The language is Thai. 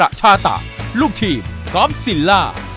คะหรักชาตาลูกทีมคอลมสิลล่า